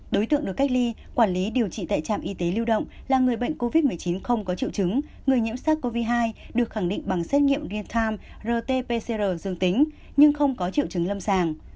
đối tượng được cách ly quản lý điều trị tại trạm y tế lưu động là người bệnh covid một mươi chín không có triệu chứng người nhiễm sars cov hai được khẳng định bằng xét nghiệm real time rt pcr dương tính nhưng không có triệu chứng lâm sàng